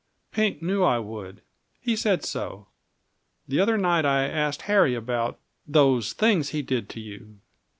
Pink knew I would; he said so. The other night I asked Harry about those things he did to you.